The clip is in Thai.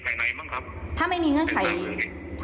เขาว่าก่อนไปอยากมาเยี่ยมภายในบ้างครับ